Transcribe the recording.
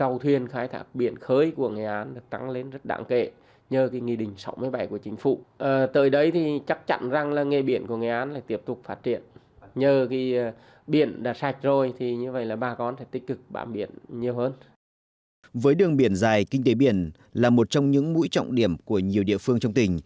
với đường biển dài kinh tế biển là một trong những mũi trọng điểm của nhiều địa phương trong tỉnh